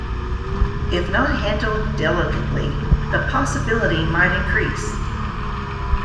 If not handled delicately, the possibility might increase.